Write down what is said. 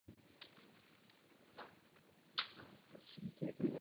Fiedler je považován za teoretického průkopníka nového chápání moderního umění.